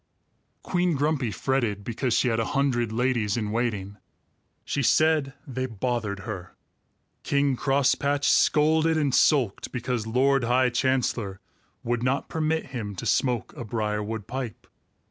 Queen Grumpy fretted because she had a hundred ladies in waiting. She said they bothered her. King Crosspatch scolded and sulked because Lord High Chancellor would not permit him to smoke a briarwood pipe.